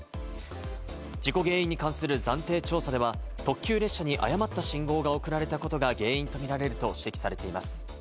事故原因に関する暫定調査では、特急列車に誤った信号が送られたことが原因と見られると指摘されています。